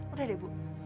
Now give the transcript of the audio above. udah deh ibu